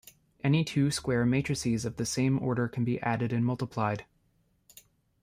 Any two square matrices of the same order can be added and multiplied.